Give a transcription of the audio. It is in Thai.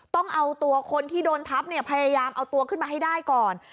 ต้องเอาตัวคนที่โดนทับเนี่ยพยายามเอาตัวขึ้นมาให้ได้ก่อน